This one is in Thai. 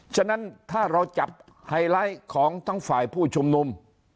ฉะนั้นถ้าเราจับไฮไลท์ของทั้งฝ่ายผู้ชุมนุม